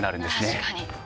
確かに。